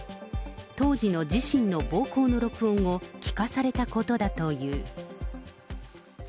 当時の自身の暴行の録音を聞かされたことだという。